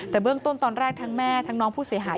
แต่เบื้องต้นตอนแรกทั้งแม่ทั้งน้องผู้เสียหาย